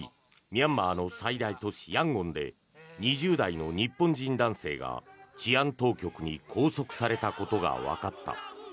ミャンマーの最大都市ヤンゴンで２０代の日本人男性が治安当局に拘束されたことがわかった。